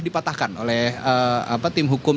dipatahkan oleh tim hukum